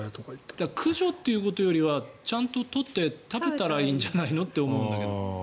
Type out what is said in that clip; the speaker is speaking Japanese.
駆除ということより取って食べたらいいんじゃないのって思うんだけど。